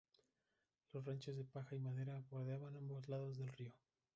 Los ranchos de paja y madera bordeaban ambos lados del río.